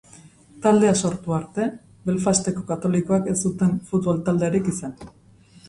Taldea sortu arte, Belfasteko katolikoek ez zuten futbol talderik izan.